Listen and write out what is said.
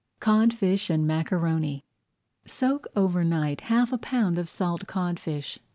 CODFISH AND MACARONI Soak over night half a pound of salt codfish.